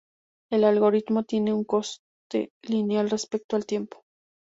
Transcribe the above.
El algoritmo tiene un coste lineal respecto al tiempo.